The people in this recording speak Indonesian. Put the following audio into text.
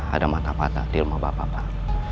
ada mata patah di rumah bapak